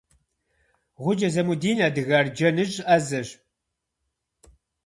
Гъукӏэ Замудин адыгэ арджэныщӏ ӏэзэщ.